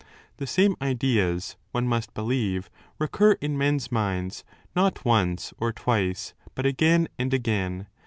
The same ideas, one must 20 believe, recur in men's minds not once or twice but again and again.